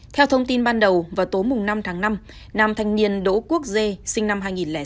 theo thông tin ban đầu vào tối năm tháng năm nam thanh niên đỗ quốc dê sinh năm hai nghìn sáu